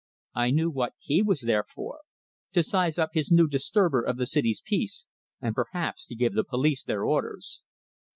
I knew what he was there for to size up this new disturber Of the city's peace, and perhaps to give the police their orders.